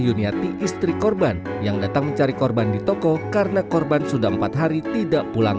yuniati istri korban yang datang mencari korban di toko karena korban sudah empat hari tidak pulang